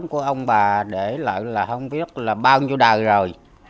cho tới sắp tới